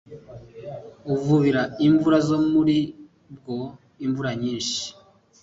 Uvubira impavu zo muri bwo imvura nyinshi